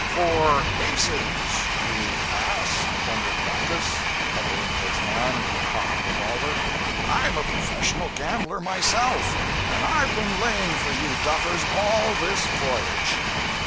'Four aces, you ass!' thundered Backus, covering his man with a cocked revolver. '_I'm a professional gambler myself, and i've been laying for you duffers all this voyage!'